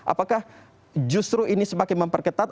apakah justru ini semakin memperketat